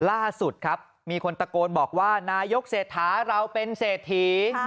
ล่าสุดครับมีคนตะโกนบอกว่านายกเศรษฐาเราเป็นเศรษฐี